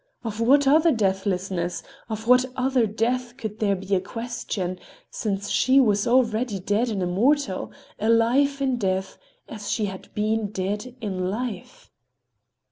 Of what other deathlessness, of what other death, could there be a question, since she was already dead and immortal, alive in death, as she had been dead in life?